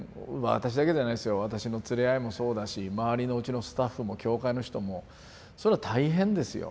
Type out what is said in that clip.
私の連れ合いもそうだし周りのうちのスタッフも教会の人もそれは大変ですよ。